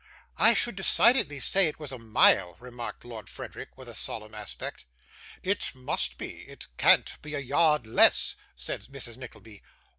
'I should decidedly say it was a mile,' remarked Lord Frederick, with a solemn aspect. 'It must be; it can't be a yard less,' said Mrs. Nickleby.